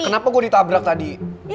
kenapa gue ditabrak tadi